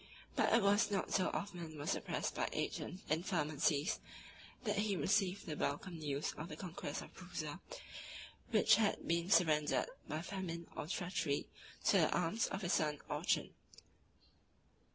But it was not till Othman was oppressed by age and infirmities, that he received the welcome news of the conquest of Prusa, which had been surrendered by famine or treachery to the arms of his son Orchan.